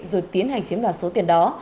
rồi tiến hành chiếm đoàn số tiền đó